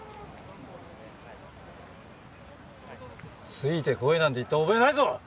ついてこいなんて言った覚えないぞ！